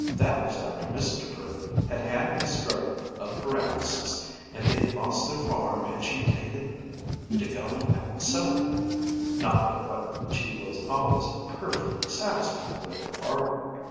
That was after Mr. Purdon had had his stroke of paralysis and they'd lost their farm and she'd taken to goin' out sewin' not but what she was always perfectly satisfied with her bargain.